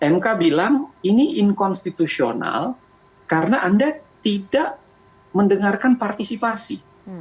mk bilang ini inkonstitusional karena anda tidak mendengarkan partisipasi